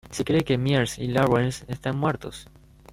Se cree que Myers y Lawrence están muertos.